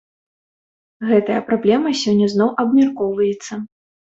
Гэтая праблема сёння зноў абмяркоўваецца.